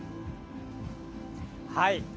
はい。